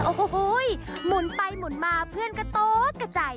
โอ้โหหมุนไปหมุนมาเพื่อนก็โต๊ะกระจาย